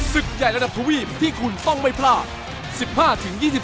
ศึกใหญ่ระดับทวีปที่คุณต้องไม่พลาด๑๕